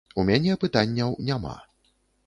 У мяне пытанняў няма.